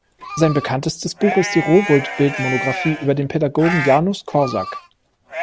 Sein bekanntestes Buch ist die Rowohlt-Bildmonografie über den Pädagogen Janusz Korczak.